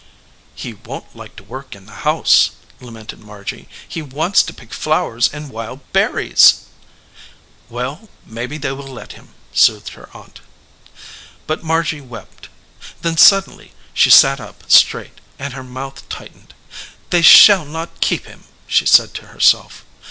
"He won t like to work in the house," lamented Margy. "He wants to pick flowers and wild berries !" THE OLD MAN OF THE FIELD "Well, maybe they will let him," soothed her aunt. But Margy wept. Then suddenly she sat up straight, and her mouth tightened. "They shall not keep him," she said to herself.